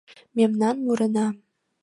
Мемнан мурына